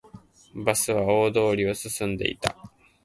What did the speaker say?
バスは大通りを進んでいた